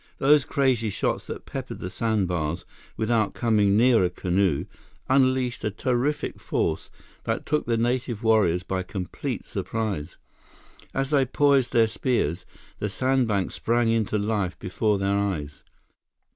Those crazy shots that peppered the sandbars without coming near a canoe, unleashed a terrific force that took the native warriors by complete surprise. As they poised their spears, the sandbanks sprang into life before their eyes.